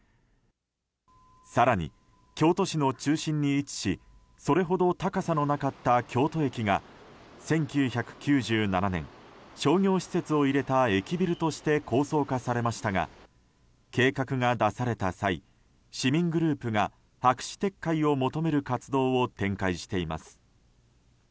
更に京都市の中心に位置しそれほど高さのなかった京都駅が１９９７年商業施設を入れた駅ビルとして高層化されましたが計画が出された際市民グループが白紙撤回を求める活動を展開しています。